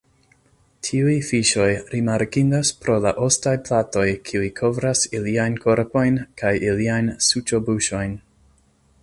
Tiuj fiŝoj rimarkindas pro la ostaj platoj kiuj kovras iliajn korpojn kaj iliajn suĉobuŝojn.